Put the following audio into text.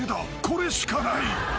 これしかない］